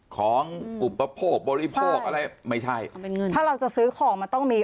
ของอุปโภคบริโภคอะไรไม่ใช่ทำเป็นเงินถ้าเราจะซื้อของมันต้องมี